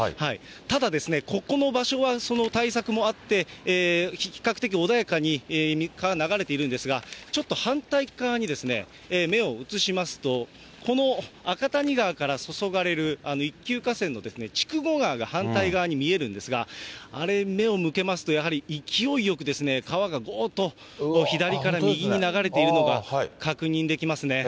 ただですね、ここの場所はその対策もあって、比較的穏やかに川は流れているんですが、ちょっと反対側に目を移しますと、この赤谷川から注がれる一級河川の筑後川が反対側に見えるんですが、あれに目を向けますと、やはり勢いよく川がごーっと左から右に流れているのが確認できますね。